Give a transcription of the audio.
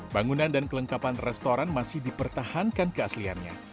bangunan dan kelengkapan restoran masih dipertahankan keasliannya